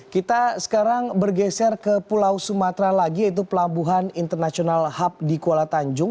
kita sekarang bergeser ke pulau sumatera lagi yaitu pelabuhan international hub di kuala tanjung